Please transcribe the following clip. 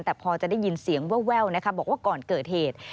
แต่พอจะได้ยินเสียงแววนะคะบอกว่าก่อนเกิดเหตุ